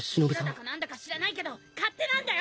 柱だか何だか知らないけど勝手なんだよ！